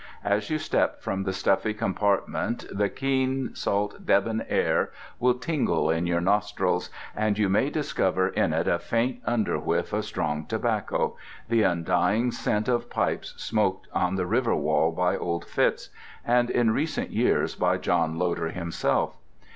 As you step from the stuffy compartment the keen salt Deben air will tingle in your nostrils; and you may discover in it a faint under whiff of strong tobacco—the undying scent of pipes smoked on the river wall by old Fitz, and in recent years by John Loder himself.